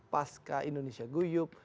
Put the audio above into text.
pasca indonesia guyup